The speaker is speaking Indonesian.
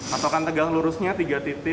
patokan tegak lurusnya tiga dari satu ini ya